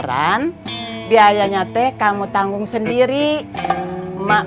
tapi kalau bukan tanggal dua puluh lima setelah lebah